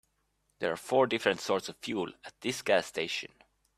There are four different sorts of fuel at this gas station.